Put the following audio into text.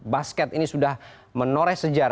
ya sekarang sudah bisa dengar